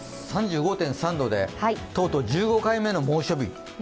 ３５．３度で、とうとう１５回目の猛暑日。